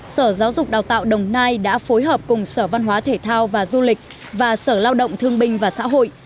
sở giáo dục đào tạo đồng nai đã phối hợp cùng sở văn hóa thể thao và du lịch và sở lao động thương binh và xã hội